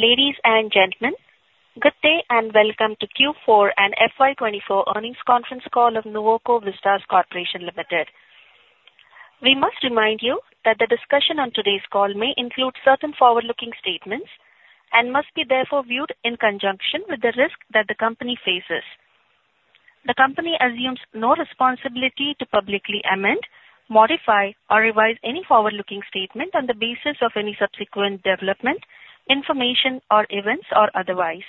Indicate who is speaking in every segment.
Speaker 1: Ladies and gentlemen, good day. Welcome to Q4 and FY 2024 earnings conference call of Nuvoco Vistas Corporation Limited. We must remind you that the discussion on today's call may include certain forward-looking statements and must be therefore viewed in conjunction with the risk that the company faces. The company assumes no responsibility to publicly amend, modify, or revise any forward-looking statement on the basis of any subsequent development, information or events or otherwise.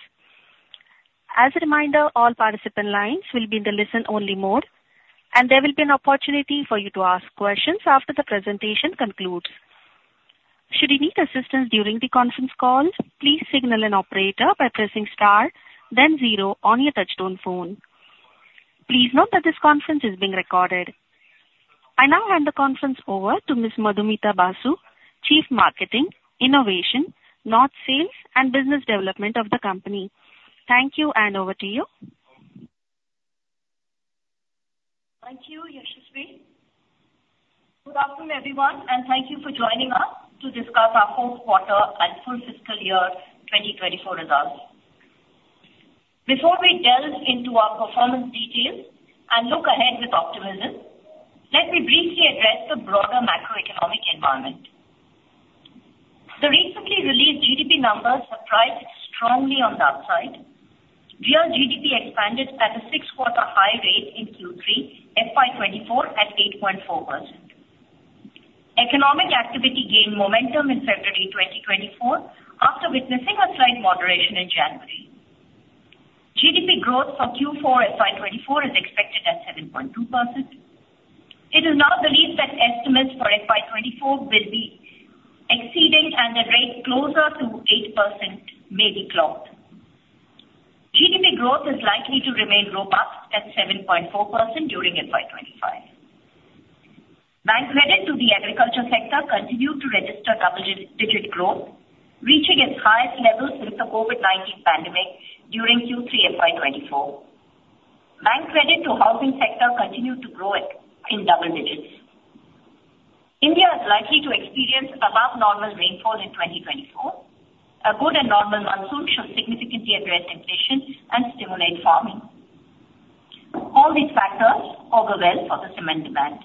Speaker 1: As a reminder, all participant lines will be in the listen only mode. There will be an opportunity for you to ask questions after the presentation concludes. Should you need assistance during the conference call, please signal an operator by pressing star then zero on your touchtone phone. Please note that this conference is being recorded. I now hand the conference over to Ms. Madhumita Basu, Chief Marketing, Innovation, North Sales and Business Development of the company. Thank you. Over to you.
Speaker 2: Thank you, Yashasvi. Good afternoon, everyone. Thank you for joining us to discuss our fourth quarter and full fiscal year 2024 results. Before we delve into our performance details and look ahead with optimism, let me briefly address the broader macroeconomic environment. The recently released GDP numbers surprised strongly on the upside. Real GDP expanded at a six-quarter high rate in Q3 FY 2024 at 8.4%. Economic activity gained momentum in February 2024 after witnessing a slight moderation in January. GDP growth for Q4 FY 2024 is expected at 7.2%. It is now believed that estimates for FY 2024 will be exceeding and a rate closer to 8% may be clocked. GDP growth is likely to remain robust at 7.4% during FY 2025. Bank credit to the agriculture sector continued to register double-digit growth, reaching its highest level since the COVID-19 pandemic during Q3 FY 2024. Bank credit to housing sector continued to grow in double digits. India is likely to experience above normal rainfall in 2024. A good and normal monsoon should significantly address inflation and stimulate farming. All these factors augur well for the cement demand.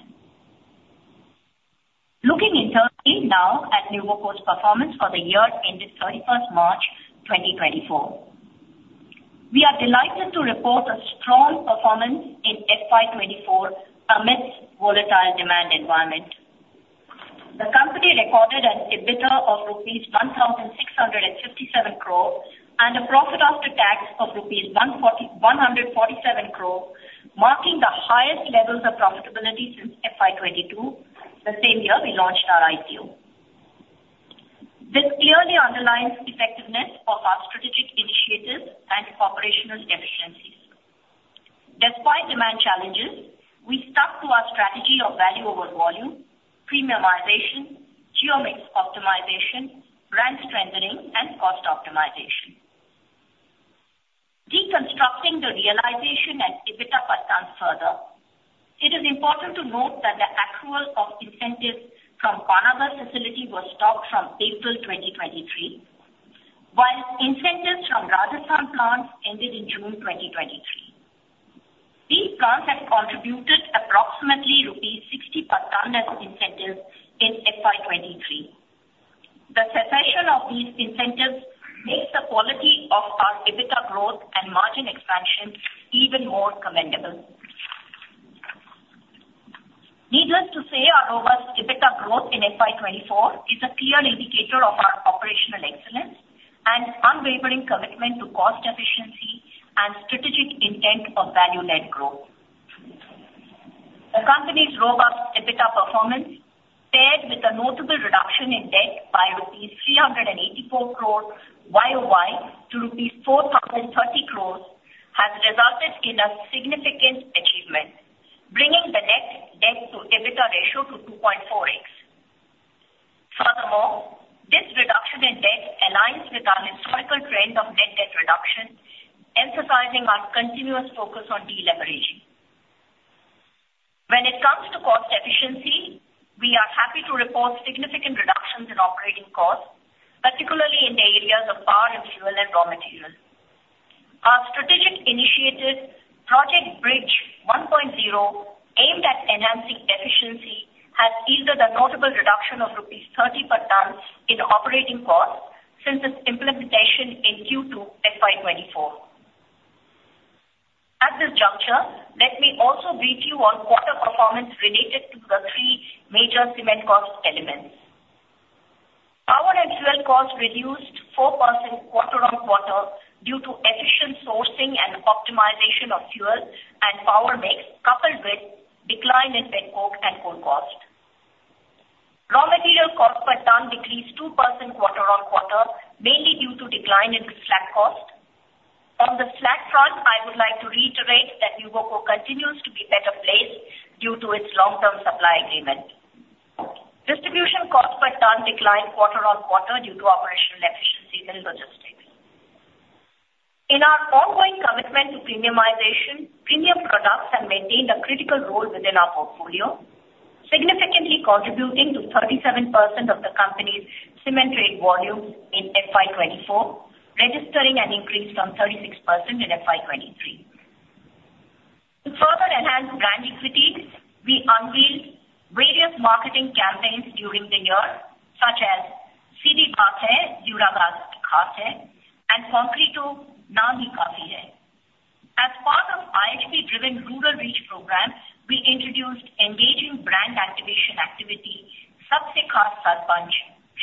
Speaker 2: Looking internally now at Nuvoco's performance for the year ended 31st March 2024. We are delighted to report a strong performance in FY 2024 amidst volatile demand environment. The company recorded an EBITDA of INR 1,657 crore and a profit after tax of INR 147 crore, marking the highest levels of profitability since FY 2022, the same year we launched our IPO. This clearly underlines effectiveness of our strategic initiatives and operational efficiencies. Despite demand challenges, we stuck to our strategy of value over volume, premiumization, geo mix optimization, brand strengthening and cost optimization. Deconstructing the realization and EBITDA per ton further, it is important to note that the accrual of incentives from Panagarh facility was stopped from April 2023, while incentives from Rajasthan plants ended in June 2023. These plants had contributed approximately rupees 60 per ton as incentives in FY 2023. The cessation of these incentives makes the quality of our EBITDA growth and margin expansion even more commendable. Needless to say, our robust EBITDA growth in FY 2024 is a clear indicator of our operational excellence and unwavering commitment to cost efficiency and strategic intent of value-led growth. The company's robust EBITDA performance paired with a notable reduction in debt by rupees 384 crore year-over-year to rupees 4,030 crore has resulted in a significant achievement, bringing the net debt to EBITDA ratio to 2.4x. This reduction in debt aligns with our historical trend of net debt reduction, emphasizing our continuous focus on deleveraging. When it comes to cost efficiency, we are happy to report significant reductions in operating costs, particularly in the areas of power and fuel and raw materials. Our strategic initiative, Project Bridge 1.0, aimed at enhancing efficiency, has yielded a notable reduction of rupees 30 per ton in operating costs since its implementation in Q2 FY 2024. At this juncture, let me also brief you on quarter performance related to the three major cement cost elements. Power and fuel costs reduced 4% quarter-on-quarter due to efficient sourcing and optimization of fuel and power mix coupled with decline in pet coke and coal cost. Raw material cost per ton decreased 2% quarter-on-quarter mainly due to decline in slag cost. On the slag front, I would like to reiterate that Nuvoco continues to be better placed due to its long-term supply agreement. Distribution cost per ton declined quarter-on-quarter due to operational efficiencies in the system. To premiumization, premium products have maintained a critical role within our portfolio, significantly contributing to 37% of the company's cement trade volume in FY 2024, registering an increase from 36% in FY 2023. To further enhance brand equities, we unveiled various marketing campaigns during the year, such as City Ka Hai, Duraguard Ka Hai, and Concreto Na Hi Kafi Hai. As part of IHB-driven rural reach program, we introduced engaging brand activation activity, Sabse Khaas Sarpanch,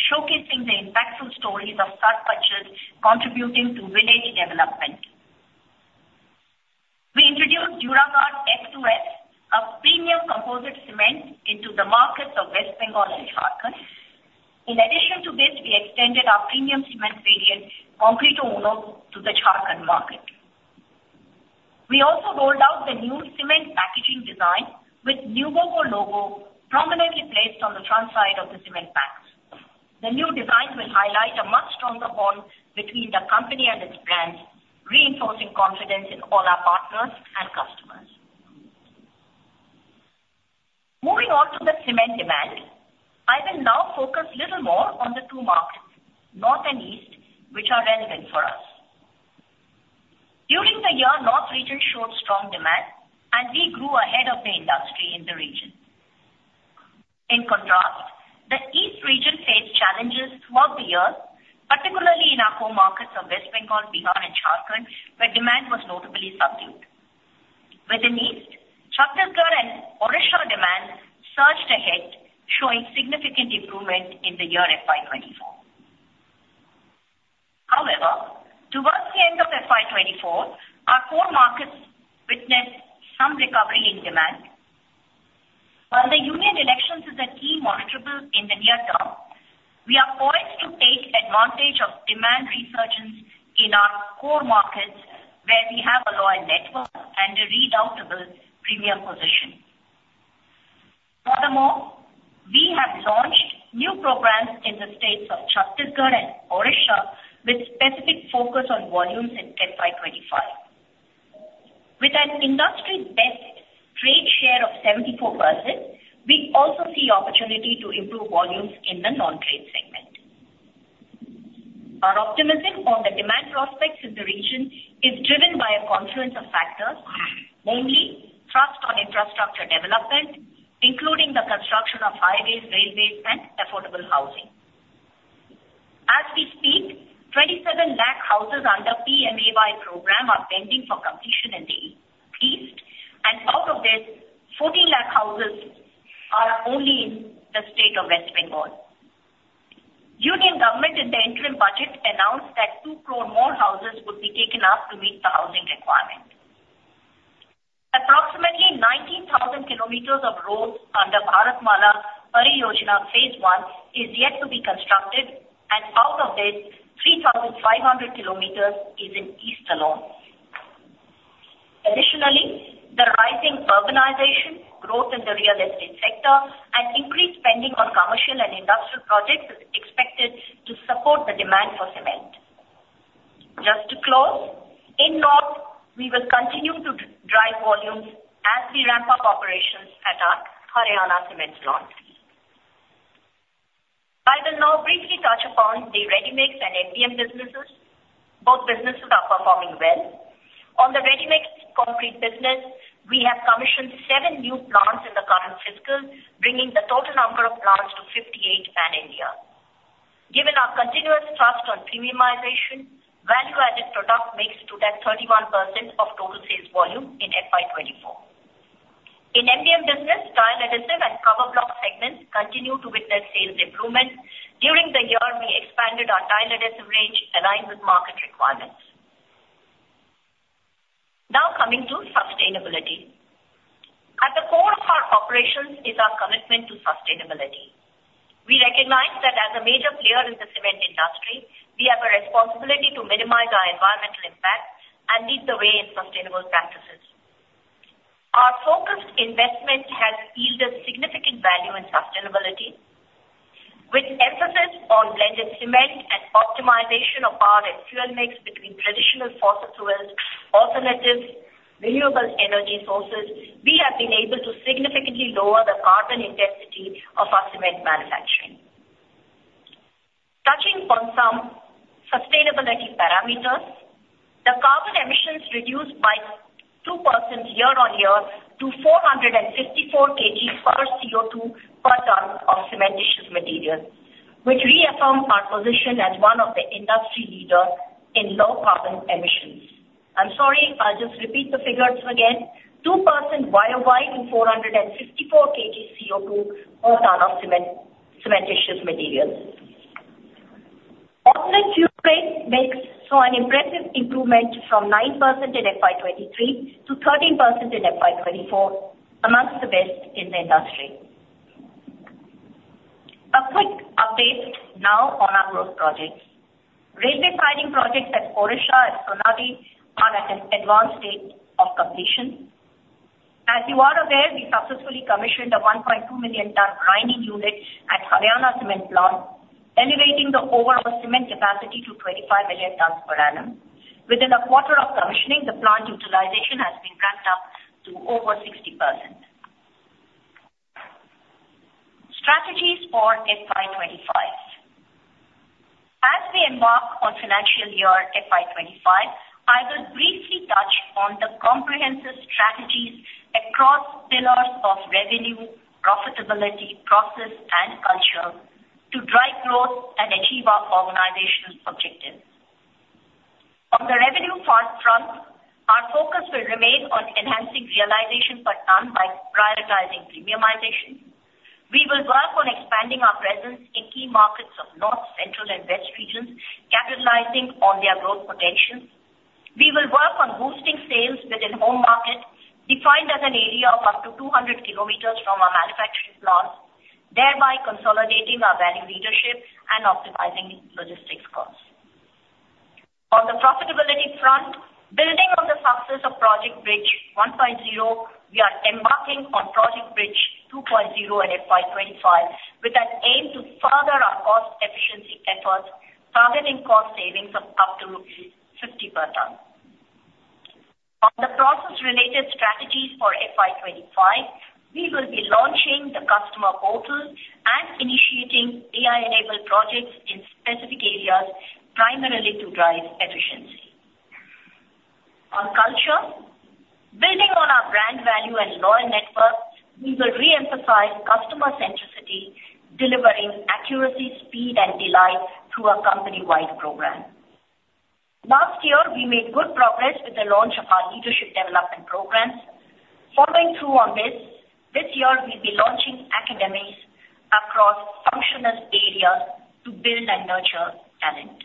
Speaker 2: showcasing the impactful stories of sarpanches contributing to village development. We introduced Duraguard X2S, a premium composite cement into the markets of West Bengal and Jharkhand. In addition to this, we extended our premium cement variant, Concreto Uno, to the Jharkhand market. We also rolled out the new cement packaging design with Nuvoco logo prominently placed on the front side of the cement packs. The new design will highlight a much stronger bond between the company and its brands, reinforcing confidence in all our partners and customers. Moving on to the cement demand, I will now focus a little more on the two markets, North and East, which are relevant for us. During the year, North region showed strong demand, and we grew ahead of the industry in the region. In contrast, the East region faced challenges throughout the year, particularly in our core markets of West Bengal, Bihar, and Jharkhand, where demand was notably subdued. Within East, Chhattisgarh and Odisha demand surged ahead, showing significant improvement in the year FY 2024. However, towards the end of FY 2024, our core markets witnessed some recovery in demand. While the Union elections is a key monitorable in the near term, we are poised to take advantage of demand resurgence in our core markets where we have a loyal network and a redoubtable premium position. Furthermore, we have launched new programs in the states of Chhattisgarh and Odisha with specific focus on volumes in FY 2025. With an industry-best trade share of 74%, we also see opportunity to improve volumes in the non-trade segment. Our optimism on the demand prospects in the region is driven by a confluence of factors, mainly trust on infrastructure development, including the construction of highways, railways, and affordable housing. As we speak, 27 lakh houses under PMAY program are pending for completion in the East, and out of this, 14 lakh houses are only in the state of West Bengal. Union government in the interim budget announced that 2 crore more houses would be taken up to meet the housing requirement. Approximately 19,000 kilometers of roads under Bharatmala Pariyojana Phase One is yet to be constructed, and out of this, 3,500 kilometers is in East alone. Additionally, the rising urbanization growth in the real estate sector and increased spending on commercial and industrial projects is expected to support the demand for cement. Just to close, in North, we will continue to drive volumes as we ramp up operations at our Haryana cement plant. I will now briefly touch upon the Ready-Mix Concrete and MBM businesses. Both businesses are performing well. On the Ready-Mix Concrete business, we have commissioned seven new plants in the current fiscal, bringing the total number of plants to 58 pan-India. Given our continuous thrust on premiumization, value-added product mix to that 31% of total sales volume in FY 2024. In MBM business, tile adhesive and cover block segments continue to witness sales improvement. During the year, we expanded our tile adhesive range aligned with market requirements. Now coming to sustainability. At the core of our operations is our commitment to sustainability. We recognize that as a major player in the cement industry, we have a responsibility to minimize our environmental impact and lead the way in sustainable practices. Our focused investment has yielded significant value in sustainability. With emphasis on blended cement and optimization of our fuel mix between traditional fossil fuels, alternatives, renewable energy sources, we have been able to significantly lower the carbon intensity of our cement manufacturing. Touching on some sustainability parameters, the carbon emissions reduced by 2% year on year to 454 kg per CO2 per ton of cementitious materials, which reaffirmed our position as one of the industry leader in low carbon emissions. I'm sorry, I will just repeat the figures again. 2% Y-o-Y to 454 kg CO2 per ton of cementitious materials. Alternate fuel mix saw an impressive improvement from 9% in FY 2023 to 13% in FY 2024, amongst the best in the industry. A quick update now on our growth projects. Ready-Mix Concrete mining projects at Odisha and Sonadih are at an advanced stage. As you are aware, we successfully commissioned a 1.2 million ton grinding unit at Haryana Cement Plant, elevating the overall cement capacity to 25 million tons per annum. Within a quarter of commissioning, the plant utilization has been ramped up to over 60%. Strategies for FY 2025. As we embark on financial year FY 2025, I will briefly touch on the comprehensive strategies across pillars of revenue, profitability, process, and culture to drive growth and achieve our organizational objectives. On the revenue front, our focus will remain on enhancing realization per ton by prioritizing premiumization. We will work on expanding our presence in key markets of North, Central, and West regions, capitalizing on their growth potential. We will work on boosting sales within home market, defined as an area of up to 200 kilometers from our manufacturing plants, thereby consolidating our value leadership and optimizing logistics costs. On the profitability front, building on the success of Project Bridge 1.0, we are embarking on Project Bridge 2.0 in FY 2025 with an aim to further our cost efficiency efforts, targeting cost savings of up to 50 per ton. On the process-related strategies for FY 2025, we will be launching the customer portal and initiating AI-enabled projects in specific areas, primarily to drive efficiency. On culture, building on our brand value and loyal network, we will reemphasize customer centricity, delivering accuracy, speed, and delight through a company-wide program. Last year, we made good progress with the launch of our leadership development programs. Following through on this year we'll be launching academies across functional areas to build and nurture talent.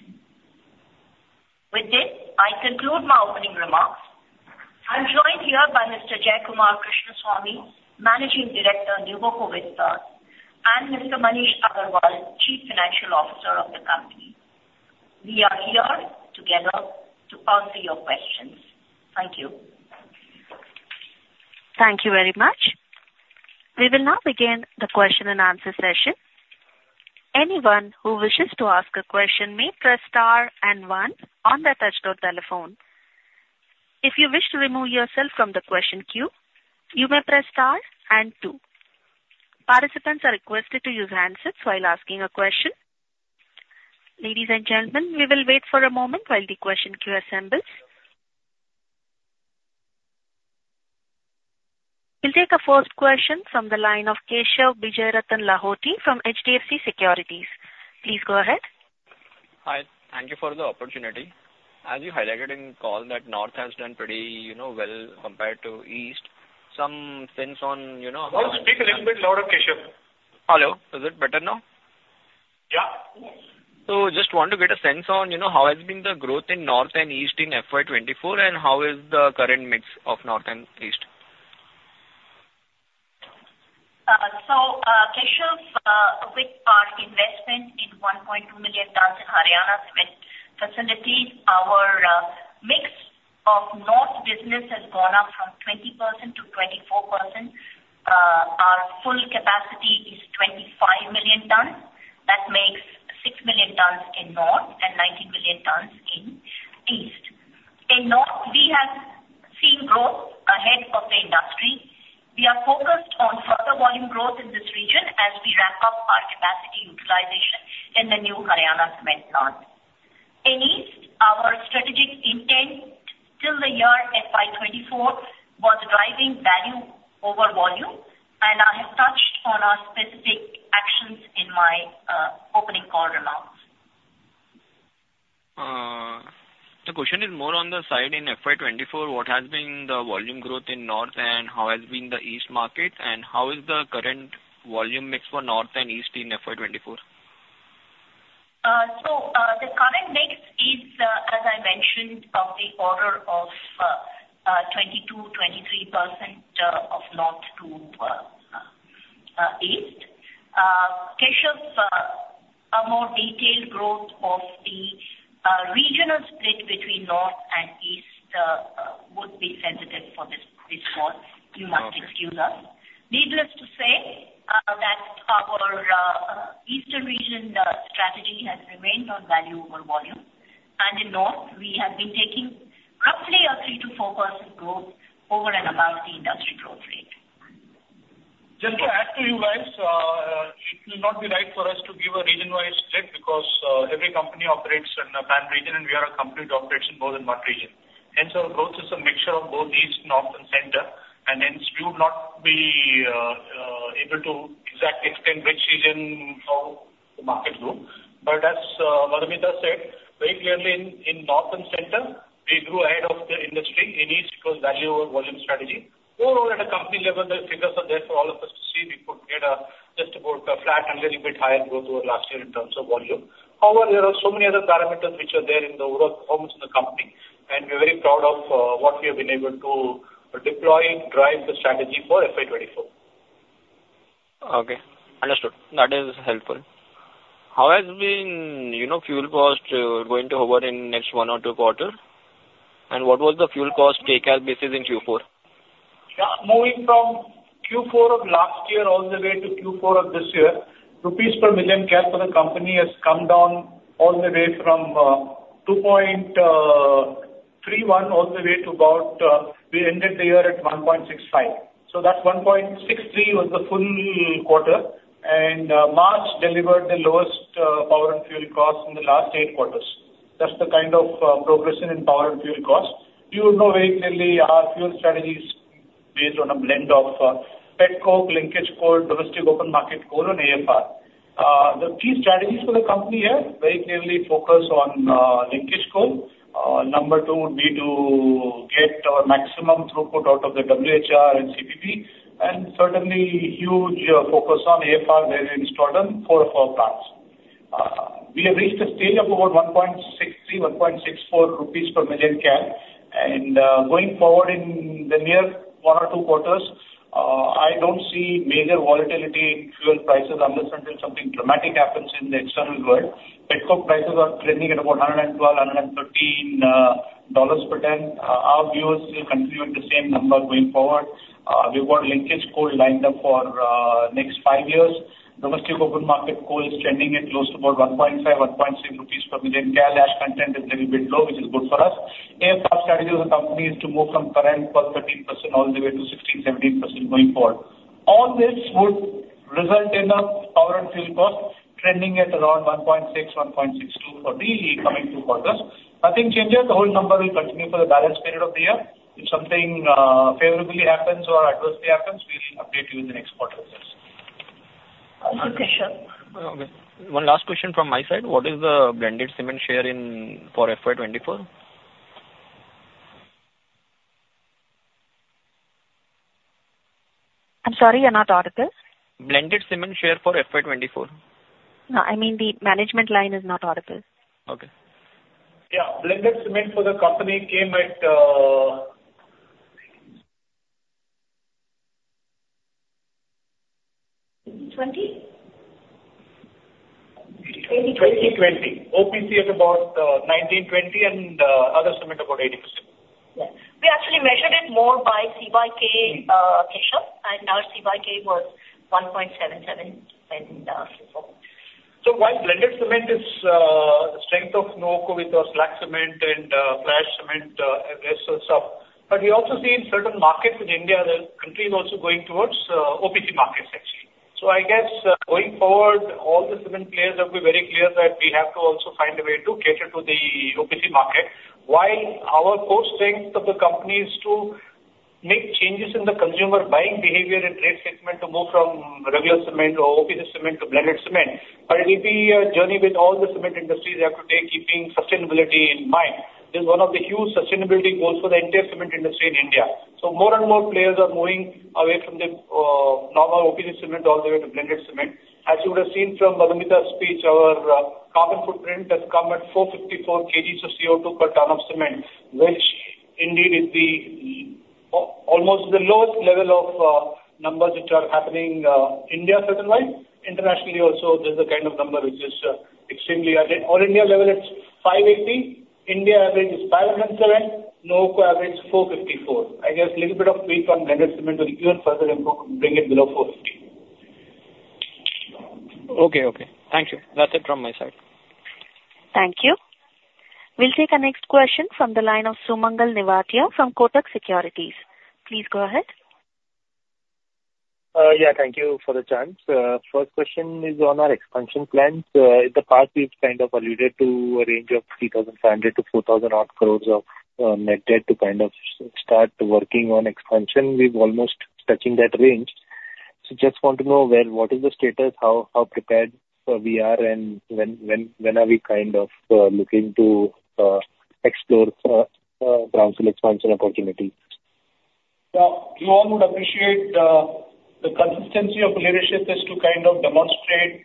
Speaker 2: With this, I conclude my opening remarks. I'm joined here by Mr. Jayakumar Krishnaswamy, Managing Director, Nuvoco Vistas, and Mr. Maneesh Agrawal, Chief Financial Officer of the company. We are here together to answer your questions. Thank you.
Speaker 1: Thank you very much. We will now begin the question and answer session. Anyone who wishes to ask a question may press star and one on their touch-tone telephone. If you wish to remove yourself from the question queue, you may press star and two. Participants are requested to use handsets while asking a question. Ladies and gentlemen, we will wait for a moment while the question queue assembles. We'll take the first question from the line of Keshav Bijayaratna Lahoti from HDFC Securities. Please go ahead.
Speaker 3: Hi. Thank you for the opportunity. As you highlighted in call that North has done pretty well compared to East.
Speaker 4: Why don't you speak a little bit louder, Keshav?
Speaker 3: Hello. Is it better now?
Speaker 4: Yeah.
Speaker 3: Just want to get a sense on how has been the growth in North and East in FY 2024, and how is the current mix of North and East?
Speaker 2: Keshav, with our investment in 1.2 million tons in Haryana Cement facilities, our mix of North business has gone up from 20% to 24%. Our full capacity is 25 million tons. That makes 6 million tons in North and 19 million tons in East. In North, we have seen growth ahead of the industry. We are focused on further volume growth in this region as we ramp up our capacity utilization in the new Haryana Cement plant. In East, our strategic intent till the year FY 2024 was driving value over volume, and I have touched on our specific actions in my opening call remarks.
Speaker 3: The question is more on the side in FY 2024, what has been the volume growth in North, and how has been the East market, and how is the current volume mix for North and East in FY 2024?
Speaker 2: The current mix is, as I mentioned, of the order of 22%-23% of North to East. Keshav, a more detailed growth of the regional split between North and East would be sensitive for this call. You must excuse us. Needless to say that our Eastern region strategy has remained on value over volume, and in North, we have been taking roughly a 3%-4% growth over and above the industry growth rate.
Speaker 4: Just to add to you guys, it will not be right for us to give a region-wise split because every company operates in a pan region, and we are a company that operates in both North and Central. Our growth is a mixture of both East, North, and Central. Hence we would not be able to exactly explain which region, how the market grew. As Madhumita said, very clearly in North and Central, we grew ahead of the industry. In East, it was value over volume strategy. Overall, at a company level, the figures are there for all of us to see. We could get just about a flat and a little bit higher growth over last year in terms of volume. There are so many other parameters which are there in the overall performance of the company, and we're very proud of what we have been able to deploy and drive the strategy for FY 2024.
Speaker 3: Okay. Understood. That is helpful. How has been fuel cost going to hover in next one or two quarter? What was the fuel cost take as basis in Q4?
Speaker 4: Yeah. Moving from Q4 of last year, all the way to Q4 of this year, INR per million kcal for the company has come down all the way from 2.31 all the way to about, we ended the year at 1.65. That 1.63 was the full quarter, and March delivered the lowest power and fuel cost in the last eight quarters. That's the kind of progression in power and fuel cost. You would know very clearly our fuel strategy is based on a blend of pet coke, linkage coal, domestic open market coal and AFR. The key strategies for the company are very clearly focused on linkage coal. Number two would be to get maximum throughput out of the WHR and CPP, and certainly huge focus on AFR there in Torodum, four of our plants. We have reached a stage of about 1.63 rupees, 1.64 rupees INR per million kcal. Going forward in the near one or two quarters, I don't see major volatility in fuel prices unless and until something dramatic happens in the external world. Pet coke prices are trending at about $112, $113 per ton. Our views will continue at the same number going forward. We've got linkage coal lined up for next five years. Domestic open market coal is trending at close to about 1.5, 1.6 rupees INR per million kcal. Ash content is little bit low, which is good for us. AFR strategy of the company is to move from current 12%, 13% all the way to 16%, 17% going forward. All this would result in a power and fuel cost trending at around 1.6, 1.62 for the coming two quarters. Nothing changes. The whole number will continue for the balance period of the year. If something favorably happens or adversely happens, we'll update you in the next quarter results.
Speaker 1: Okay, sure.
Speaker 3: Okay. One last question from my side. What is the blended cement share for FY 2024?
Speaker 1: I'm sorry, you're not audible.
Speaker 3: Blended cement share for FY 2024.
Speaker 5: No, the management line is not audible.
Speaker 3: Okay.
Speaker 4: Yeah. Blended cement for the company came at
Speaker 5: 80/20?
Speaker 4: 80/20. OPC at about 19/20 and other cement about 80/20.
Speaker 2: Yeah. We actually measured it more by C/K ratio, and our C/K was 1.77 in Q4.
Speaker 4: While blended cement is a strength of Nuvoco with your slag cement and fly ash cement and rest of the stuff. We also see in certain markets in India, the country is also going towards OPC markets, actually. I guess going forward, all the cement players have to be very clear that we have to also find a way to cater to the OPC market, while our core strength of the company is to make changes in the consumer buying behavior and trade segment to move from regular cement or OPC cement to blended cement. It will be a journey with all the cement industries they have to take, keeping sustainability in mind. This is one of the huge sustainability goals for the entire cement industry in India. More and more players are moving away from the normal OPC cement all the way to blended cement. As you would have seen from Madhumita's speech, our carbon footprint has come at 454 kgs of CO2 per ton of cement, which indeed is almost the lowest level of numbers which are happening India certainly. Internationally also, this is the kind of number which is extremely high. All India level, it's 580. India average is 507. Nuvoco average 454. I guess little bit of tweak on blended cement will even further improve, bring it below 450.
Speaker 3: Okay. Thank you. That's it from my side.
Speaker 1: Thank you. We'll take the next question from the line of Sumangal Nevatia from Kotak Securities. Please go ahead.
Speaker 6: Thank you for the chance. First question is on our expansion plans. In the past, we've kind of alluded to a range of 3,500 crore-4,000 crore odd of net debt to kind of start working on expansion. We're almost touching that range. Just want to know, what is the status, how prepared we are, and when are we looking to explore greenfield expansion opportunity?
Speaker 4: You all would appreciate the consistency of leadership is to kind of demonstrate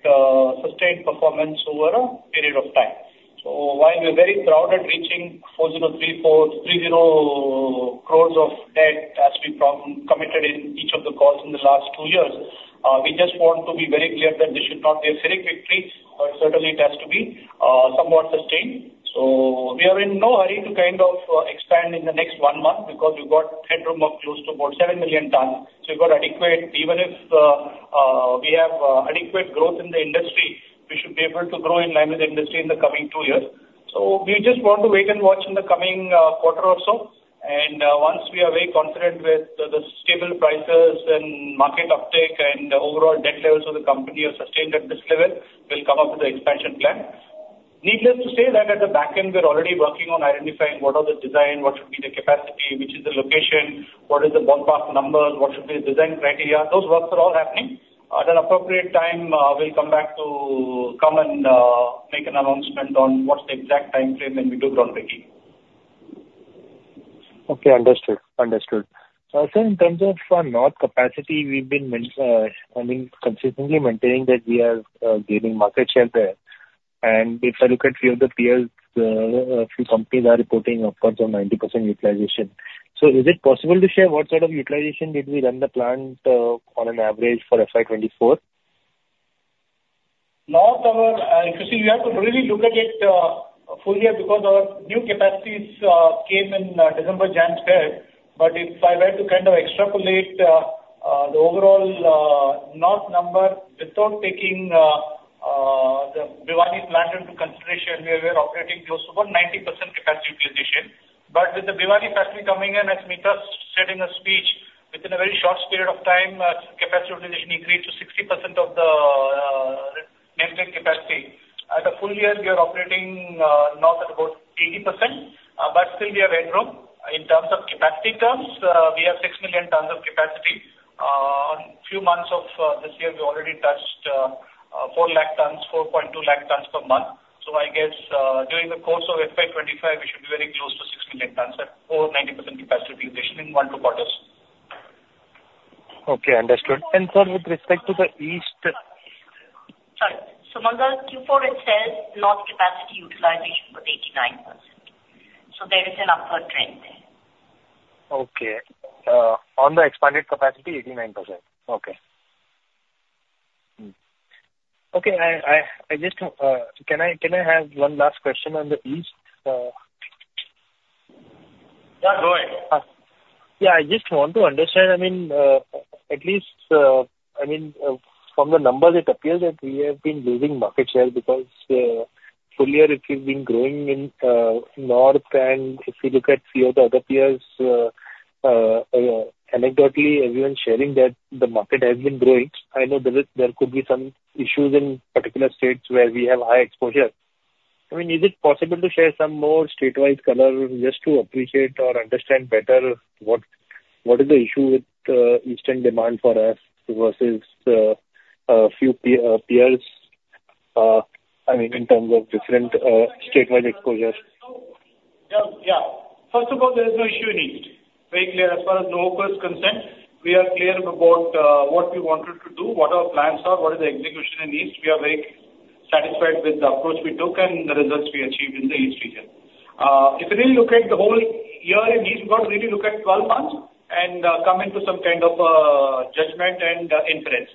Speaker 4: sustained performance over a period of time. While we're very proud at reaching 4,034.30 crore of debt as we committed in each of the calls in the last 2 years, we just want to be very clear that this should not be a Pyrrhic victory, but certainly it has to be somewhat sustained. We are in no hurry to kind of expand in the next 1 month because we've got headroom of close to about 7 million tonnes. Even if we have adequate growth in the industry, we should be able to grow in line with the industry in the coming 2 years. We just want to wait and watch in the coming quarter or so. Once we are very confident with the stable prices and market uptake and overall debt levels of the company are sustained at this level, we'll come up with the expansion plan. Needless to say that at the back end, we're already working on identifying what are the design, what should be the capacity, which is the location, what is the ballpark numbers, what should be the design criteria. Those works are all happening. At an appropriate time, we'll come back to come and make an announcement on what's the exact timeframe when we do groundbreaking.
Speaker 6: Okay, understood. Also, in terms of north capacity, we've been consistently maintaining that we are gaining market share there. If I look at few of the peers, a few companies are reporting upwards of 90% utilization. Is it possible to share what sort of utilization did we run the plant on an average for FY 2024?
Speaker 4: North, you have to really look at it fully because our new capacities came in December, Jan, Feb. If I were to kind of extrapolate the overall North number without taking the Bhiwani plant into consideration, we were operating close to about 90% capacity utilization. With the Bhiwani factory coming in, as Meeta said in her speech, within a very short period of time, capacity utilization increased to 60% of the nameplate capacity. At the full year, we are operating North at about 80%, but still we have headroom. In terms of capacity, we have 6 million tons of capacity. On a few months of this year, we already touched 4 lakh tons, 4.2 lakh tons per month. I guess during the course of FY 2025, we should be very close to 6 million tons at over 90% capacity utilization in one or two quarters.
Speaker 6: Okay, understood. Sir, with respect to the East.
Speaker 2: Sorry. In Q4 itself, North capacity utilization was 89%. There is an upward trend there.
Speaker 6: Okay. On the expanded capacity, 89%. Okay. Can I have one last question on the East?
Speaker 4: Yeah, go ahead.
Speaker 6: Yeah, I just want to understand, at least from the numbers, it appears that we have been losing market share because full year it has been growing in North. If you look at few of the other peers, anecdotally, everyone sharing that the market has been growing. I know there could be some issues in particular states where we have high exposure. Is it possible to share some more state-wise color just to appreciate or understand better what is the issue with Eastern demand for us versus a few peers in terms of different state-wise exposures?
Speaker 4: Yeah. First of all, there is no issue in East. Very clear as far as Nuvoco is concerned. We are clear about what we wanted to do, what our plans are, what is the execution in East. We are very satisfied with the approach we took and the results we achieved in the East region. If you really look at the whole year in East, you got to really look at 12 months and come into some kind of judgment and inference.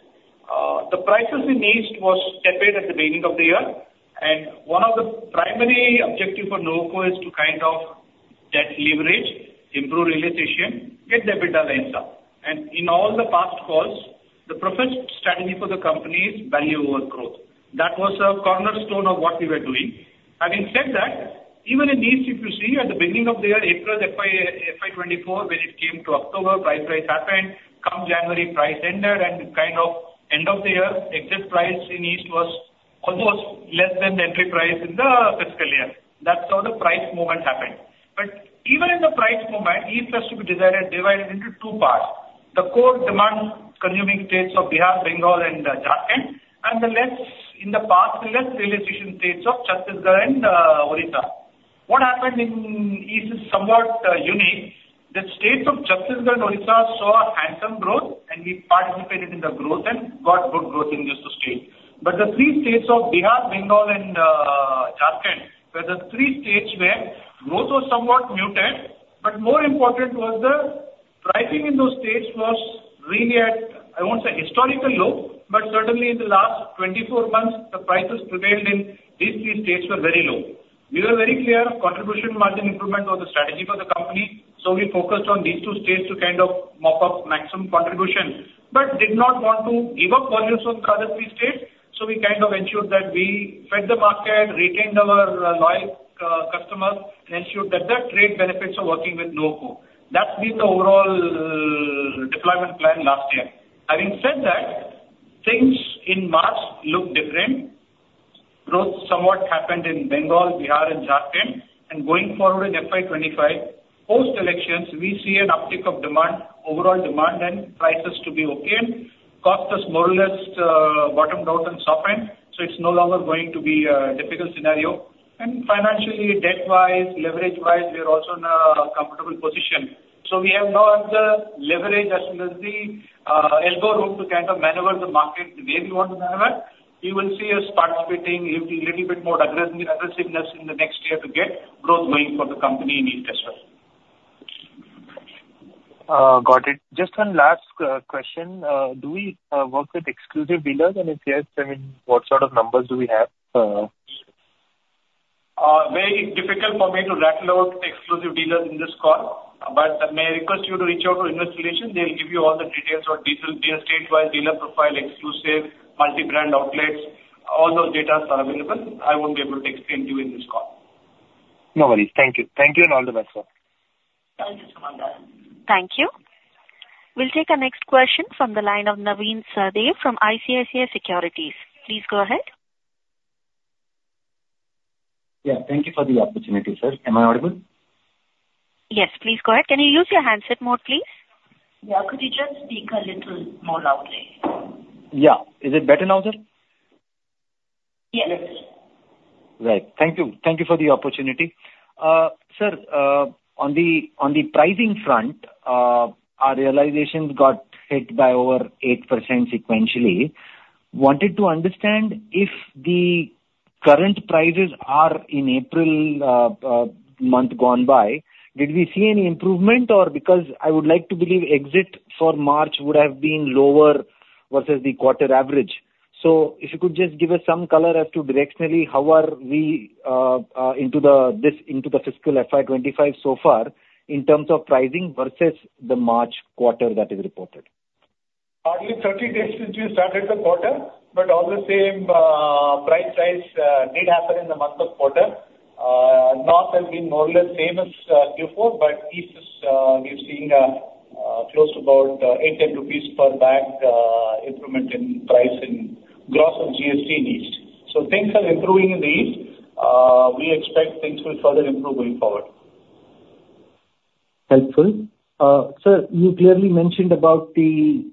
Speaker 4: The prices in East was tepid at the beginning of the year. One of the primary objective for Nuvoco is to kind of debt leverage, improve realization, get the EBITDA to bounce up. In all the past calls, the professed strategy for the company is value over growth. That was a cornerstone of what we were doing. Having said that, even in East, if you see at the beginning of the year, April FY 2024, when it came to October, price rise happened. Come January, price ended and kind of end of the year, exit price in East was almost less than the entry price in the fiscal year. That's how the price movement happened. Even in the price movement, East has to be divided into two parts. The core demand consuming states of Bihar, Bengal, and Jharkhand, and in the past, the less realization states of Chhattisgarh and Orissa. What happened in East is somewhat unique. The states of Chhattisgarh and Orissa saw handsome growth, and we participated in the growth and got good growth in these two states. The three states of Bihar, Bengal, and Jharkhand were the three states where growth was somewhat muted, but more important was the pricing in those states was really at, I won't say historical low, but certainly in the last 24 months, the prices prevailed in these three states were very low. We were very clear contribution margin improvement was the strategy for the company. We focused on these two states to kind of mop up maximum contribution, but did not want to give up volumes on the other three states. We kind of ensured that we fed the market, retained our loyal customers, and ensured that the trade benefits of working with Nuvoco. That's been the overall deployment plan last year. Having said that, things in March look different. Growth somewhat happened in Bengal, Bihar, and Jharkhand. Going forward in FY 2025, post-elections, we see an uptick of demand, overall demand, and prices to be okay. Cost has more or less bottomed out and softened, it's no longer going to be a difficult scenario. Financially, debt-wise, leverage-wise, we are also in a comfortable position. We have now the leverage as well as the elbow room to kind of maneuver the market the way we want to maneuver. You will see us participating, a little bit more aggressiveness in the next year to get growth going for the company in East as well.
Speaker 6: Got it. Just one last question. Do we work with exclusive dealers? If yes, what sort of numbers do we have?
Speaker 4: Very difficult for me to rattle out exclusive dealers in this call, I may request you to reach out to investor relations. They'll give you all the details or detail state-wise dealer profile, exclusive multi-brand outlets, all those data are available. I won't be able to explain to you in this call.
Speaker 6: No worries. Thank you. Thank you, and all the best, sir.
Speaker 2: Thank you, Sumangal.
Speaker 1: Thank you. We'll take our next question from the line of Navin Sahadev from ICICI Securities. Please go ahead.
Speaker 7: Yeah, thank you for the opportunity, sir. Am I audible?
Speaker 1: Yes, please go ahead. Can you use your handset mode, please?
Speaker 2: Yeah. Could you just speak a little more loudly?
Speaker 7: Yeah. Is it better now, sir?
Speaker 2: Yes.
Speaker 7: Right. Thank you. Thank you for the opportunity. Sir, on the pricing front, our realizations got hit by over 8% sequentially. Wanted to understand if the current prices are in April month gone by, did we see any improvement? Because I would like to believe exit for March would have been lower versus the quarter average. If you could just give us some color as to directionally, how are we into the fiscal FY 2025 so far in terms of pricing versus the March quarter that is reported?
Speaker 4: Hardly 30 days since you started the quarter, all the same, price rise did happen in the month of quarter. North has been more or less same as Q4, east we're seeing close to about 8-10 rupees per bag improvement in price in gross of GST in the east. Things are improving in the east. We expect things will further improve going forward.
Speaker 7: Helpful. Sir, you clearly mentioned about the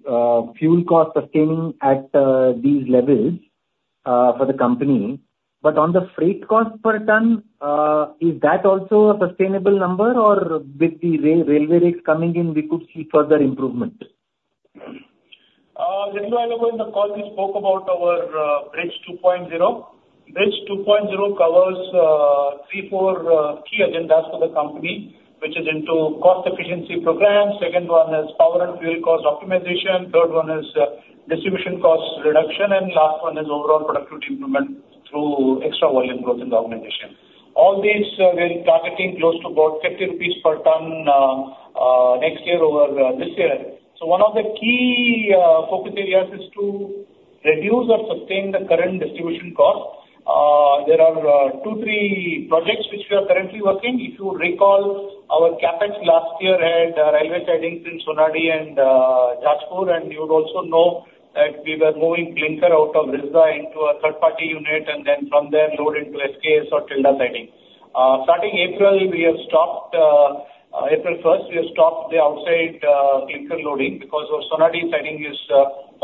Speaker 7: fuel cost sustaining at these levels for the company. On the freight cost per ton, is that also a sustainable number? With the railway rates coming in, we could see further improvement.
Speaker 4: Little while ago in the call, we spoke about our Bridge 2.0. Bridge 2.0 covers three, four key agendas for the company, which is into cost efficiency programs. Second one is power and fuel cost optimization. Third one is distribution cost reduction, last one is overall productivity improvement through extra volume growth in the organization. All these we're targeting close to about 50 rupees per ton next year over this year. One of the key focus areas is to reduce or sustain the current distribution cost. There are two, three projects which we are currently working. If you recall, our CapEx last year had railway sidings in Sonadih and Jashpur, you would also know that we were moving clinker out of Visakhapatnam into a third-party unit, then from there load into SKS or Tilda siding. Starting April 1st, we have stopped the outside clinker loading because our Sonadih siding is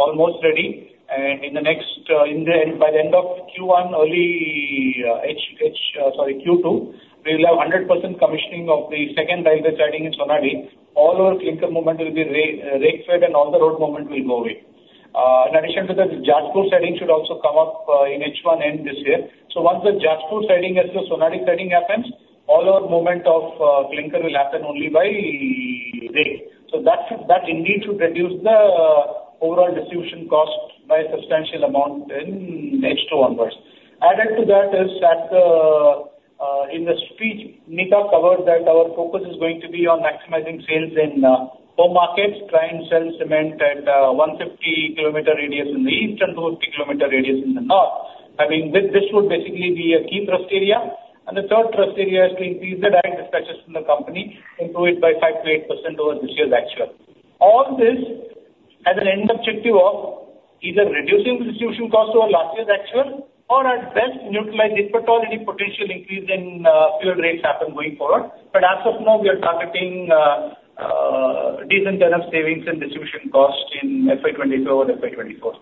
Speaker 4: almost ready. By the end of Q1, early Q2, we will have 100% commissioning of the second railway siding in Sonadih. All our clinker movement will be rail freight and all the road movement will go away. In addition to that, Jashpur siding should also come up in H1 end this year. Once the Jashpur siding as well as Sonadih siding happens, all our movement of clinker will happen only by rail. That indeed should reduce the overall distribution cost by a substantial amount in H2 onwards. Added to that is in the speech, Mita covered that our focus is going to be on maximizing sales in home markets, try and sell cement at 150-kilometer radius in the east and 250-kilometer radius in the north. I mean, this should basically be a key thrust area. The third thrust area is to increase the direct dispatches from the company into it by 5%-8% over this year's actual. All this has an end objective of either reducing distribution costs over last year's actual or at best neutralize it, already potential increase in fuel rates happen going forward. As of now, we are targeting decent kind of savings in distribution cost in FY 2024 over FY 2024.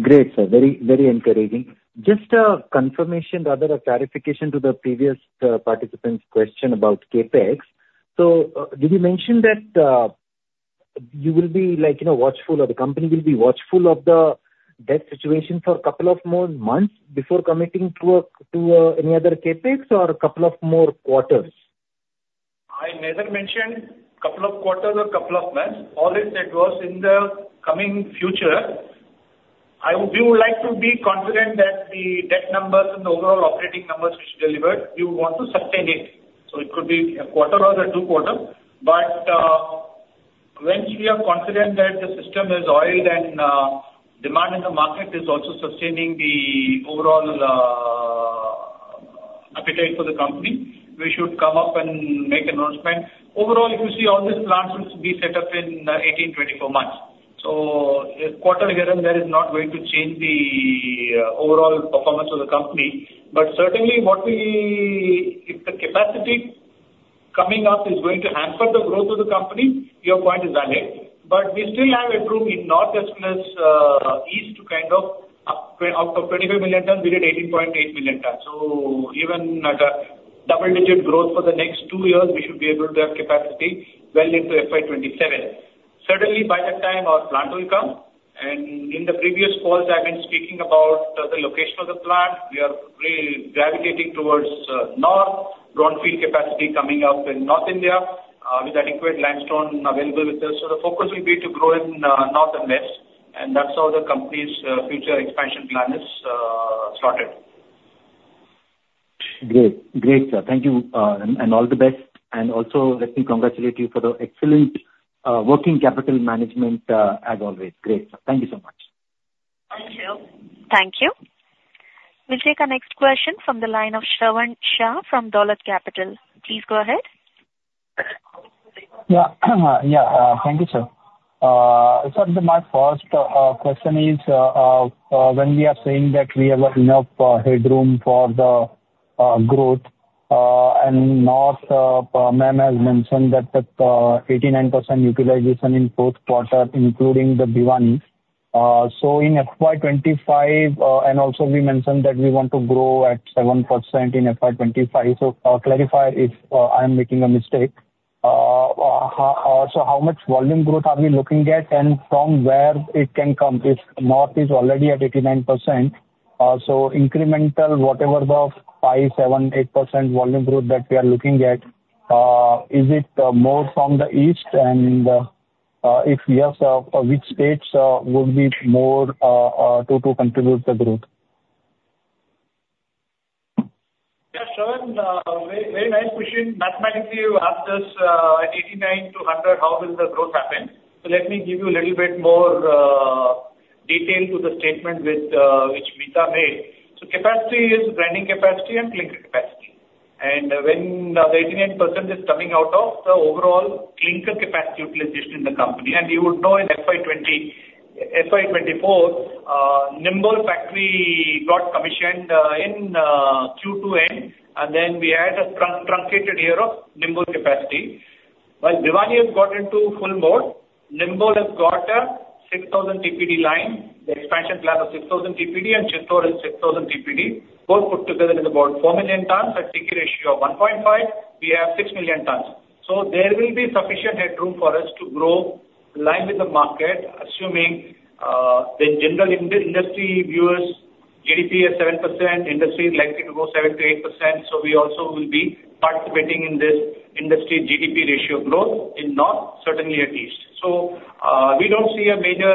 Speaker 7: Great, sir. Very encouraging. Just a confirmation, rather a clarification to the previous participant's question about CapEx. Did you mention that you will be watchful, or the company will be watchful of the debt situation for a couple of more months before committing to any other CapEx or a couple of more quarters?
Speaker 4: I never mentioned couple of quarters or couple of months. All I said was in the coming future. We would like to be confident that the debt numbers and the overall operating numbers which delivered, we want to sustain it. It could be a quarter or the two quarters. Once we are confident that the system is oiled and demand in the market is also sustaining the overall appetite for the company, we should come up and make announcement. Overall, if you see all these plants will be set up in 18, 24 months. A quarter here and there is not going to change the overall performance of the company. Certainly, if the capacity coming up is going to hamper the growth of the company, your point is valid. We still have a room in north as well as east to kind of out of 25 million tons, we did 18.8 million tons. Even at a double-digit growth for the next two years, we should be able to have capacity well into FY 2027. Certainly, by that time our plant will come. In the previous calls, I've been speaking about the location of the plant. We are really gravitating towards north, brownfield capacity coming up in North India with adequate limestone available with us. The focus will be to grow in north and west, and that's how the company's future expansion plan is slotted.
Speaker 7: Great. Great, sir. Thank you and all the best. Also let me congratulate you for the excellent working capital management as always. Great, sir. Thank you so much.
Speaker 4: Thank you.
Speaker 1: Thank you. We'll take our next question from the line of Shravan Shah from Dolat Capital. Please go ahead.
Speaker 8: Yeah. Thank you, sir. Sir, my first question is, when we are saying that we have enough headroom for the growth, North, ma'am has mentioned that the 89% utilization in fourth quarter, including the Bhiwani. In FY 2025, also we mentioned that we want to grow at 7% in FY 2025. Clarify if I am making a mistake, how much volume growth are we looking at and from where it can come? If North is already at 89%, incremental, whatever the five, seven, 8% volume growth that we are looking at, is it more from the East? If yes, which states would be more to contribute the growth?
Speaker 4: Yes, Shravan. Very nice question. Mathematically, you have this at 89% to 100, how will the growth happen? Let me give you a little bit more detail to the statement which Mita made. Capacity is grinding capacity and clinker capacity. When the 89% is coming out of the overall clinker capacity utilization in the company, you would know in FY 2024, Nimbol factory got commissioned in Q2 end, then we had a truncated year of Nimbol capacity. While Bhiwani has got into full mode, Nimbol has got a 6,000 TPD line. The expansion plan of 6,000 TPD and Chittor is 6,000 TPD. Both put together is about 4 million tonnes. At C/K ratio of 1.5, we have 6 million tonnes. There will be sufficient headroom for us to grow in line with the market, assuming the general industry viewers, GDP is 7%, industry is likely to grow 7%-8%. We also will be participating in this industry GDP ratio growth in North, certainly at East. We don't see a major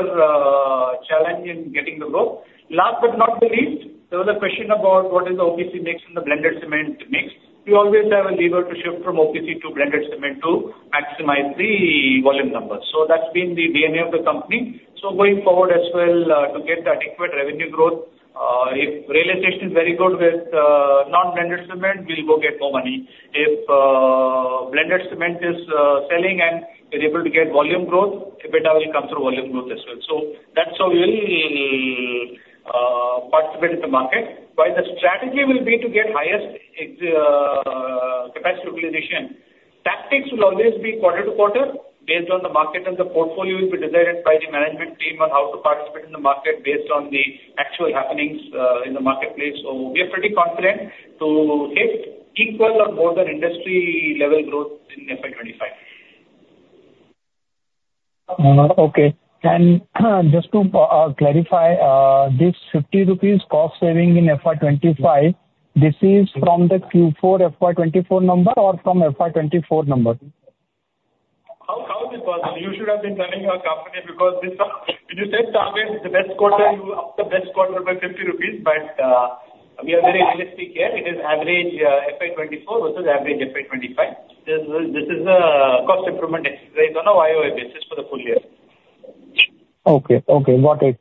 Speaker 4: challenge in getting the growth. Last but not the least, there was a question about what is the OPC mix in the blended cement mix. We always have a lever to shift from OPC to blended cement to maximize the volume numbers. That's been the DNA of the company. Going forward as well, to get the adequate revenue growth, if real estate is very good with non-blended cement, we'll go get more money. If blended cement is selling and we're able to get volume growth, EBITDA will come through volume growth as well. That's how we will participate in the market. While the strategy will be to get highest capacity utilization, tactics will always be quarter-to-quarter based on the market and the portfolio will be decided by the management team on how to participate in the market based on the actual happenings in the marketplace. We are pretty confident to hit equal or more than industry level growth in FY 2025.
Speaker 8: Okay. Just to clarify, this 50 rupees cost saving in FY 2025, this is from the Q4 FY 2024 number or from FY 2024 number?
Speaker 4: How is this possible? You should have been running our company because when you set targets the best quarter, you up the best quarter by 50 rupees, but we are very realistic here. It is average FY 2024 versus average FY 2025. This is a cost improvement exercise on a YOY basis for the full year.
Speaker 8: Okay. Got it.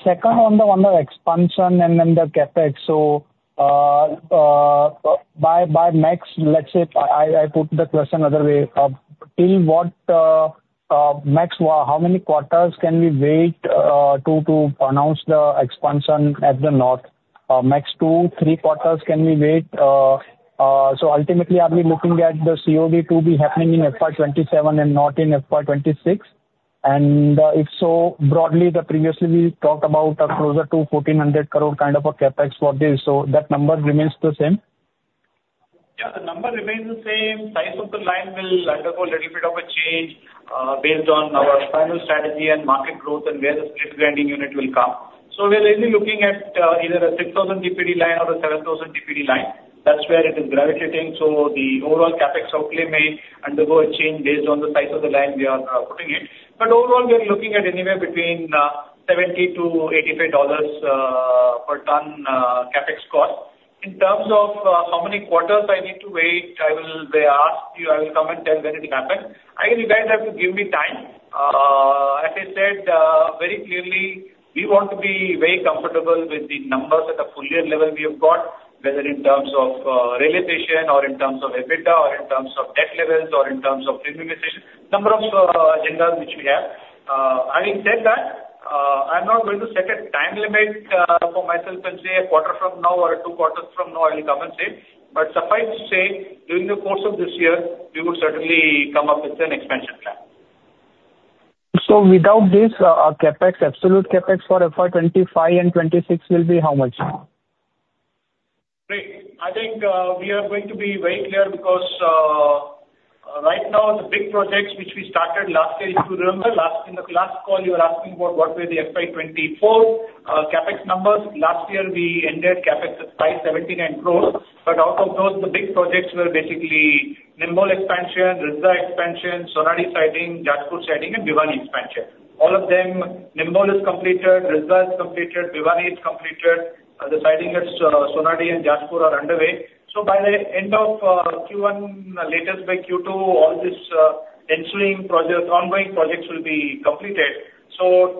Speaker 8: Second one on the expansion and then the CapEx. By max, let's say, I put the question other way up. Till what max, how many quarters can we wait to announce the expansion at the North? Max two, three quarters can we wait? Ultimately, are we looking at the COD to be happening in FY 2027 and not in FY 2026? If so, broadly, previously we talked about closer to 1,400 crore kind of a CapEx for this. That number remains the same?
Speaker 4: Yeah, the number remains the same. Size of the line will undergo a little bit of a change, based on our final strategy and market growth and where the split grinding unit will come. We are really looking at either a 6,000 TPD line or a 7,000 TPD line. That's where it is gravitating. The overall CapEx outlay may undergo a change based on the size of the line we are putting in. Overall, we are looking at anywhere between $70-$85 per tonne CapEx cost. In terms of how many quarters I need to wait, I will ask you, I will come and tell when it happens. You guys have to give me time. As I said very clearly, we want to be very comfortable with the numbers at a full year level we have got, whether in terms of realization or in terms of EBITDA or in terms of debt levels or in terms of de-leveraging. Number of agendas which we have. Having said that, I'm not going to set a time limit for myself and say a quarter from now or two quarters from now I'll come and say. Suffice to say, during the course of this year, we would certainly come up with an expansion plan.
Speaker 8: Without this CapEx, absolute CapEx for FY 2025 and FY 2026 will be how much?
Speaker 4: Great. I think we are going to be very clear because right now the big projects which we started last year, if you remember in the last call you were asking about what were the FY 2024 CapEx numbers. Last year we ended CapEx at 579 crore, but out of those, the big projects were basically Nimbol expansion, Risda expansion, Sonadih siding, Jashpur siding and Bhiwani expansion. All of them, Nimbol is completed, Risda is completed, Bhiwani is completed. The siding at Sonadih and Jashpur are underway. By the end of Q1, latest by Q2, all these ensuing projects, ongoing projects will be completed.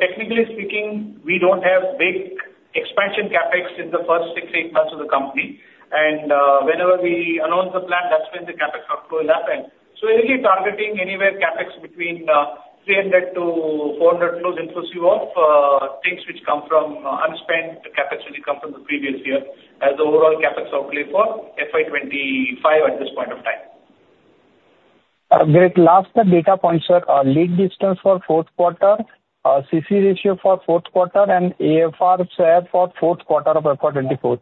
Speaker 4: Technically speaking, we don't have big expansion CapEx in the first six, eight months of the company. Whenever we announce the plan, that's when the CapEx outflow will happen. We're really targeting anywhere CapEx between 300 crore to 400 crore inclusive of things which come from unspent CapEx, which will come from the previous year as overall CapEx outlay for FY 2025 at this point of time.
Speaker 8: Great. Last data points, sir. Lead distance for fourth quarter, C/K ratio for fourth quarter, AFR, sir, for fourth quarter of FY 2024.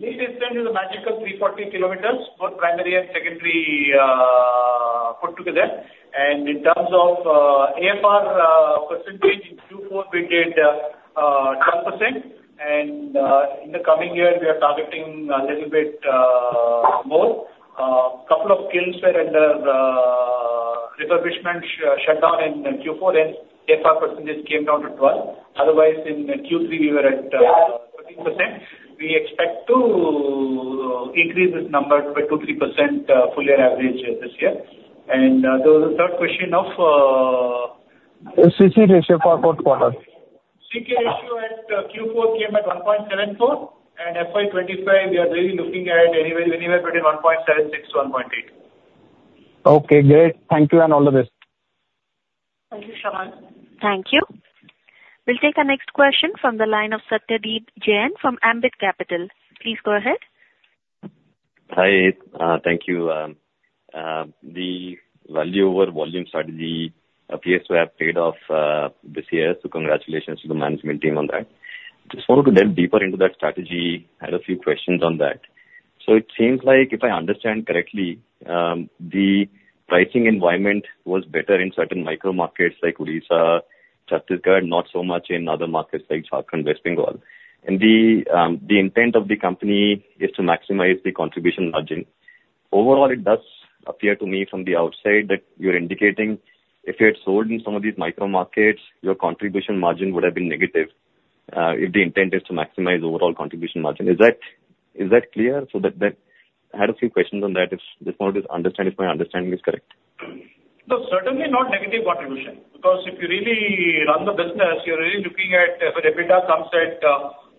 Speaker 4: Lead distance is a magical 340 kilometers, both primary and secondary put together. In terms of AFR percentage, in Q4 we did 12%, in the coming year, we are targeting a little bit more. A couple of kilns were under refurbishment, shut down in Q4, AFR percentage came down to 12%. Otherwise, in Q3 we were at 13%. We expect to increase this number by two, 3% full year average this year. The third question of
Speaker 8: C/K ratio for fourth quarter.
Speaker 4: C/K ratio at Q4 came at 1.74. FY 2025, we are really looking at anywhere between 1.76-1.8.
Speaker 8: Okay, great. Thank you, and all the best.
Speaker 2: Thank you, Shravan.
Speaker 1: Thank you. We'll take our next question from the line of Satyadeep Jain from Ambit Capital. Please go ahead.
Speaker 9: Hi. Thank you. The value over volume strategy appears to have paid off this year, so congratulations to the management team on that. Just wanted to delve deeper into that strategy, had a few questions on that. It seems like, if I understand correctly, the pricing environment was better in certain micro markets like Odisha, Chhattisgarh, not so much in other markets like Jharkhand, West Bengal. The intent of the company is to maximize the contribution margin. Overall, it does appear to me from the outside that you're indicating if you had sold in some of these micro markets, your contribution margin would have been negative, if the intent is to maximize overall contribution margin. Is that clear? I had a few questions on that. Just wanted to understand if my understanding is correct.
Speaker 4: No, certainly not negative contribution, because if you really run the business, you're really looking at, for EBITDA sums at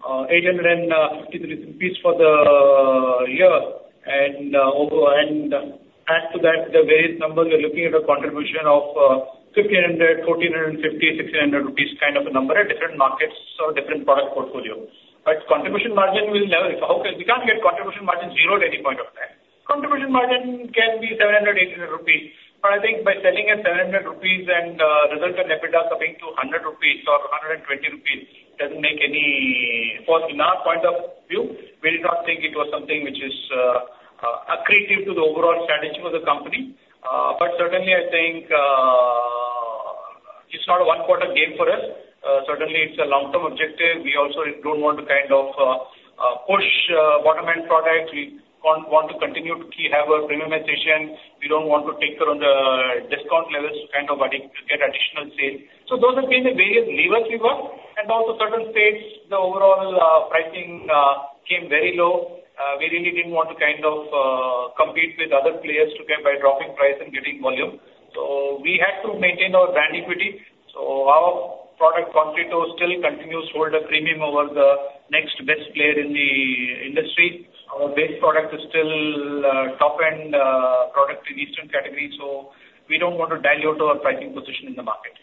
Speaker 4: 850 rupees for the year. Add to that the various numbers, we're looking at a contribution of 1,500, 1,450, 1,600 rupees kind of a number at different markets or different product portfolios. We can't get contribution margin zero at any point of time. Contribution margin can be 700 rupees, INR 800. I think by selling at 700 rupees and resultant EBITDA coming to 100 rupees or 120 rupees. In our point of view, we did not think it was something which is accretive to the overall strategy of the company. Certainly, I think it's not a one-quarter game for us. Certainly, it's a long-term objective. We also don't want to push bottom-end product. We want to continue to have a premiumization. We don't want to take around discount levels to get additional sales. Those have been the various levers we work. Also certain states, the overall pricing came very low. We really didn't want to compete with other players by dropping price and getting volume. We had to maintain our brand equity. Our product Concreto still continues to hold a premium over the next best player in the industry. Our base product is still a top end product in Eastern category, we don't want to dilute our pricing position in the market.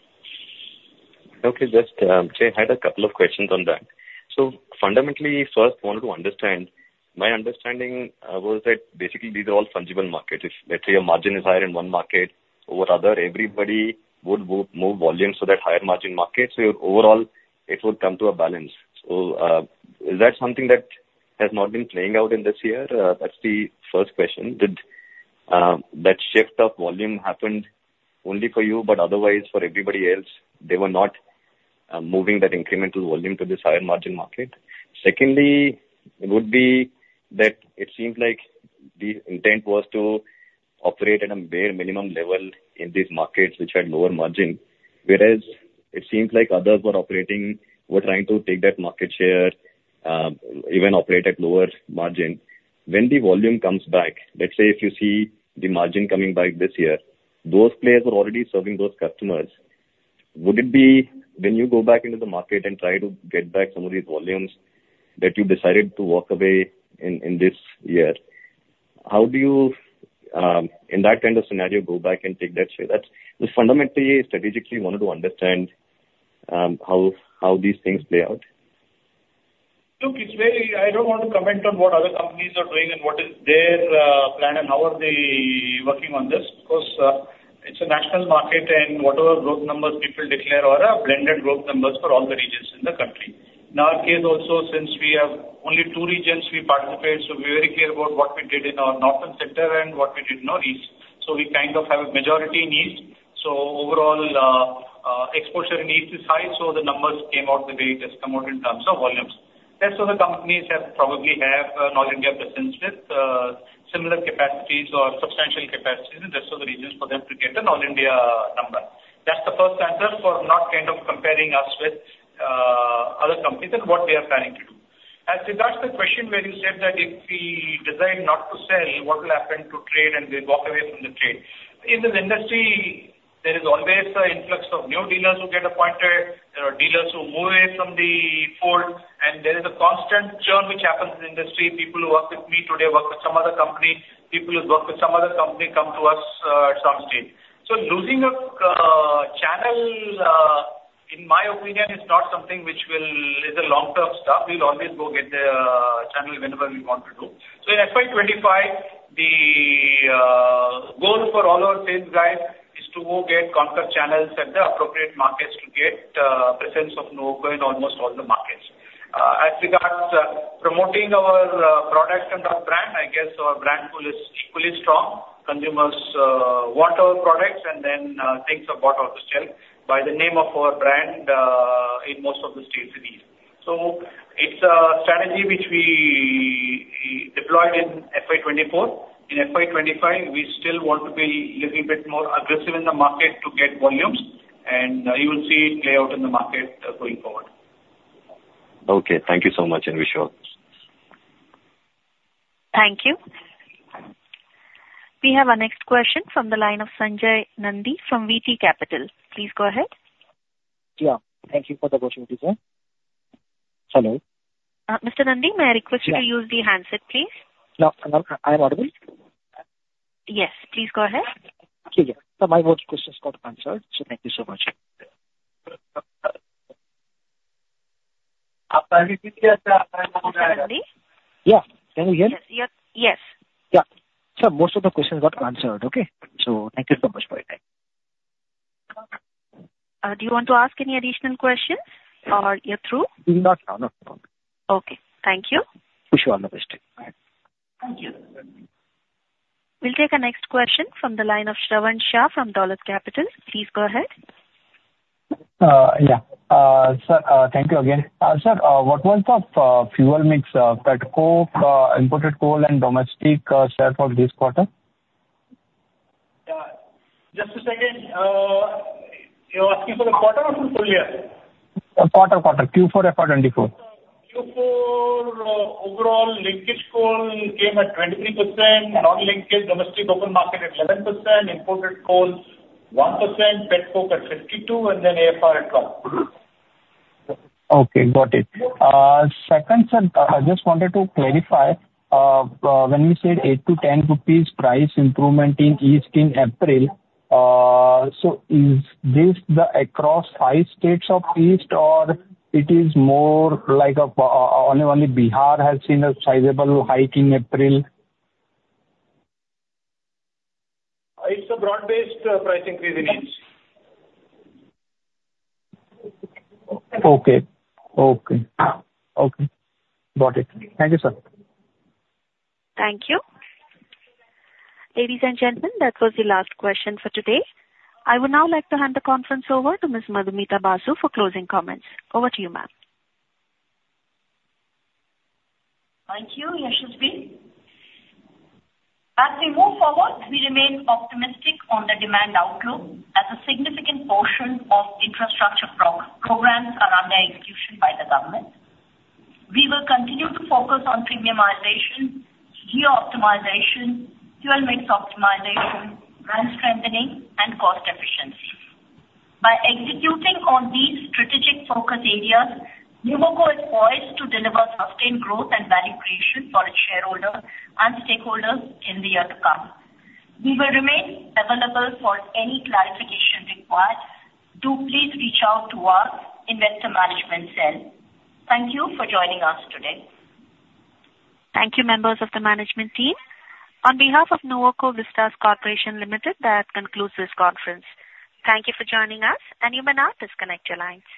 Speaker 9: Okay. Just had a couple of questions on that. Fundamentally, first wanted to understand. My understanding was that basically these are all fungible markets. If, let's say, your margin is higher in one market over other, everybody would move volume so that higher margin market, overall it would come to a balance. Is that something that has not been playing out in this year? That's the first question. Did that shift of volume happened only for you, but otherwise for everybody else, they were not moving that incremental volume to this higher margin market? Secondly, it would be that it seems like the intent was to operate at a bare minimum level in these markets which had lower margin. Whereas it seems like others were operating, were trying to take that market share, even operate at lower margin. When the volume comes back, let's say if you see the margin coming back this year, those players are already serving those customers. When you go back into the market and try to get back some of these volumes that you decided to walk away in this year, how do you, in that kind of scenario, go back and take that share? Fundamentally, strategically wanted to understand how these things play out.
Speaker 4: Look, I don't want to comment on what other companies are doing and what is their plan and how are they working on this. Because it's a national market, whatever growth numbers people declare are blended growth numbers for all the regions in the country. In our case also, since we have only two regions we participate, we're very clear about what we did in our Northern Center and what we did in our East. We kind of have a majority in East. Overall, exposure in East is high, the numbers came out the way it has come out in terms of volumes. Rest of the companies probably have a North India presence with similar capacities or substantial capacities in rest of the regions for them to get the North India number. That's the first answer for not comparing us with other companies and what they are planning to do. As regards the question where you said that if we decide not to sell, what will happen to trade and we walk away from the trade. In this industry, there is always an influx of new dealers who get appointed, there are dealers who move away from the fold, and there is a constant churn which happens in the industry. People who work with me today work with some other company, people who work with some other company come to us at some stage. Losing a channel We can. It's not something which is a long-term stuff. We'll always go get the channel whenever we want to do. In FY 2025, the goal for all our sales guys is to go get Concreto channels at the appropriate markets to get presence of Nuvoco in almost all the markets. As regards promoting our products and our brand, I guess our brand is fully strong. Consumers want our products and then things are bought off the shelf by the name of our brand, in most of the states in the East. It's a strategy which we deployed in FY 2024. In FY 2025, we still want to be little bit more aggressive in the market to get volumes, and you will see it play out in the market going forward.
Speaker 9: Okay. Thank you so much, and wish all the best.
Speaker 1: Thank you. We have our next question from the line of Sanjay Nandi from VT Capital. Please go ahead.
Speaker 10: Yeah. Thank you for the opportunity, ma'am. Hello?
Speaker 1: Mr. Nandi, may I request you to use the handset, please?
Speaker 10: Now, I am audible?
Speaker 1: Yes. Please go ahead.
Speaker 10: Okay. My work questions got answered, thank you so much.
Speaker 1: Mr. Nandi?
Speaker 10: Yeah. Can you hear me?
Speaker 1: Yes.
Speaker 10: Yeah. Most of the questions got answered. Okay. Thank you so much for your time.
Speaker 1: Do you want to ask any additional questions or you're through?
Speaker 10: Not now.
Speaker 1: Okay. Thank you.
Speaker 10: Wish you all the best day. Bye.
Speaker 1: Thank you. We'll take our next question from the line of Shravan Shah from Dolat Capital. Please go ahead.
Speaker 8: Yeah. Sir, thank you again. Sir, what was the fuel mix pet coke, imported coal, and domestic share for this quarter?
Speaker 4: Just a second. You're asking for the quarter or full year?
Speaker 8: Quarter. Q4 FY 2024.
Speaker 4: Q4 overall linkage coal came at 23%, non-linkage domestic open market at 11%, imported coal 1%, pet coke at 52%, and then AFR at 12%.
Speaker 8: Okay, got it. Second, sir, I just wanted to clarify, when we said INR 8-INR 10 price improvement in East in April, so is this across five states of East or it is more like only Bihar has seen a sizable hike in April?
Speaker 4: It's a broad-based price increase in East.
Speaker 8: Okay. Got it. Thank you, sir.
Speaker 1: Thank you. Ladies and gentlemen, that was the last question for today. I would now like to hand the conference over to Ms. Madhumita Basu for closing comments. Over to you, ma'am.
Speaker 2: Thank you, Yashasvi. As we move forward, we remain optimistic on the demand outlook as a significant portion of infrastructure programs are under execution by the government. We will continue to focus on premiumization, geo-optimization, fuel mix optimization, brand strengthening, and cost efficiency. By executing on these strategic focus areas, Nuvoco is poised to deliver sustained growth and value creation for its shareholders and stakeholders in the year to come. We will remain available for any clarification required. Do please reach out to our investor management cell. Thank you for joining us today.
Speaker 1: Thank you, members of the management team. On behalf of Nuvoco Vistas Corporation Limited, that concludes this conference. Thank you for joining us, and you may now disconnect your line.